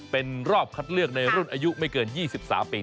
เป็นรอบคัดเลือกในรุ่นอายุไม่เกิน๒๓ปี